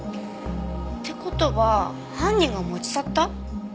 って事は犯人が持ち去った？